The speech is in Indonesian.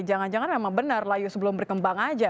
jangan jangan memang benar layu sebelum berkembang aja